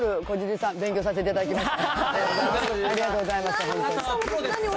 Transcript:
さん、勉強させていただきました。